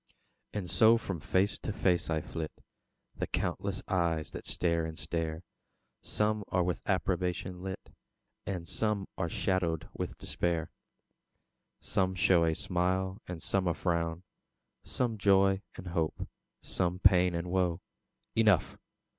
And so from face to face I flit, The countless eyes that stare and stare; Some are with approbation lit, And some are shadowed with despair. Some show a smile and some a frown; Some joy and hope, some pain and woe: Enough!